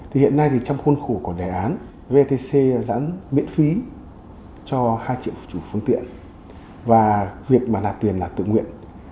hiện nay trong khuôn khổ của đề án vetc giãn miễn phí cho hai triệu chủ phương tiện và việc mà đạt tiền là tự nguyện